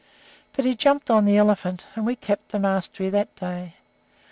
But he jumped on the elephant, and we kept the mastery that day.